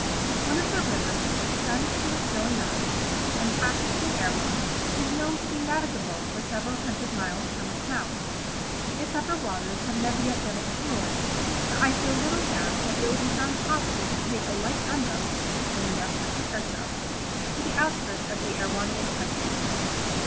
One of the rivers which descends from the Snowy Mountains, and passes through Erewhon, is known to be navigable for several hundred miles from its mouth. Its upper waters have never yet been explored, but I feel little doubt that it will be found possible to take a light gunboat (for we must protect ourselves) to the outskirts of the Erewhonian country.